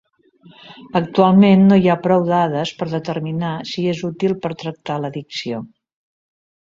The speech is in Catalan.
Actualment no hi ha prou dades per determinar si és útil per tractar l'addicció.